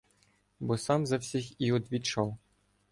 Бо сам за всіх і одвічав